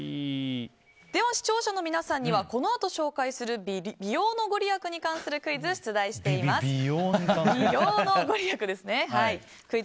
視聴者の皆さんにはこのあとご紹介する美容に関するクイズを出題しています。